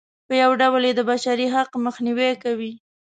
په یوه ډول یې د بشري حق مخنیوی کوي.